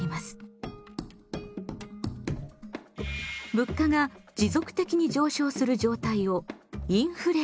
物価が持続的に上昇する状態をインフレーション。